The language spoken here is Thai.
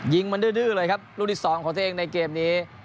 ยิงมันดื้อเลยครับลูกที่๒ของตัวเองในเกมนี้